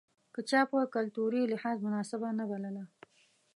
که چا په کلتوري لحاظ مناسبه نه بلله.